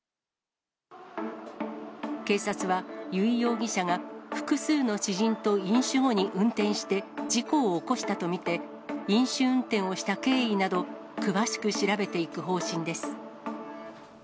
警察は、由井容疑者が複数の知人と飲酒後に運転して事故を起こしたと見て、飲酒運転をした経緯など、詳しく調べていく方針です。